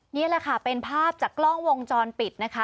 นี่แหละค่ะเป็นภาพจากกล้องวงจรปิดนะคะ